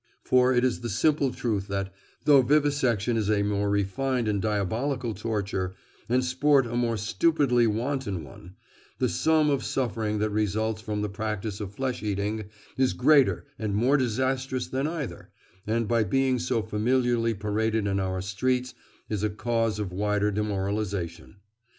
For it is simple truth that though vivisection is a more refined and diabolical torture, and sport a more stupidly wanton one, the sum of suffering that results from the practice of flesh eating is greater and more disastrous than either, and by being so familiarly paraded in our streets is a cause of wider demoralisation.